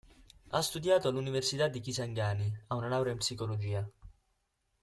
Ha studiato all'Università di Kisangani, ha una laurea in psicologia.